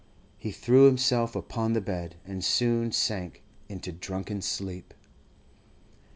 He threw himself upon the bed, and soon sank into drunken sleep.